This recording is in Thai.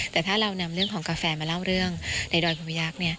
แต่ถ้าเรานำเรื่องของกาแฟมาเล่าเรื่องในดอยคุณพยักษ์